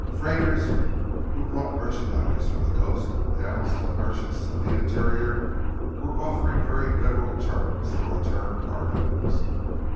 Freighters who brought merchandise from the coast towns to the merchants of the interior were offering very liberal terms for return cargoes.